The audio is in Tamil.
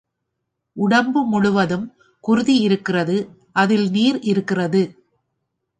உடம்பு முழு வதும் குருதி இருக்கிறது அதில் நீர் இருக்கிறது.